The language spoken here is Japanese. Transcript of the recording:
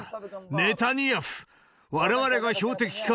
ネタニヤフ、われわれが標的か？